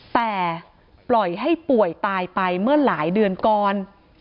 แต่ปล่อยให้ป่วยตายไปเมื่อหลายเดือนก่อน